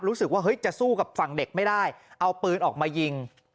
รู้สึกว่าเฮ้ยจะสู้กับฝั่งเด็กไม่ได้เอาปืนออกมายิง